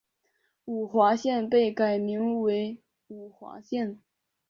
五华县被改名名为五华县。